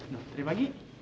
nah dari pagi